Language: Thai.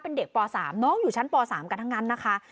เป็นเด็กป๓น้องอยู่ชั้นป๓กันทั้งนั้นนะคะ